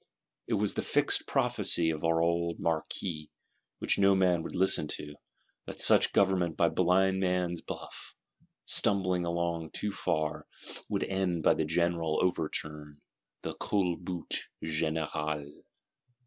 It was the fixed prophecy of our old Marquis, which no man would listen to, that "such Government by Blind man's buff, stumbling along too far, would end by the General Overturn, the _Culbute Générale!